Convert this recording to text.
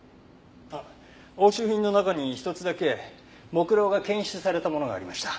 あっ押収品の中に１つだけ木蝋が検出されたものがありました。